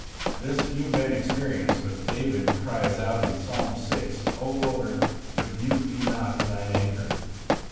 This few men experience, but David cries out in Psalm vi, "O Lord, rebuke me not in Thine anger."